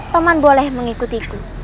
paman boleh mengikutiku